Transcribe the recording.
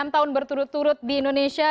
enam tahun berturut turut di indonesia